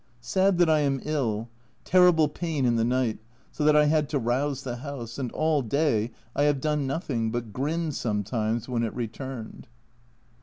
Sad that I am ill terrible pain in the night, so that I had to rouse the house ; and all day I have done nothing but grin sometimes when it returned.